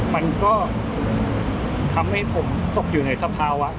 มันก็ทำให้ผมตกอยู่ในสภาวะ